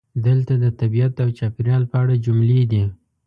دلته د "طبیعت او چاپیریال" په اړه جملې دي: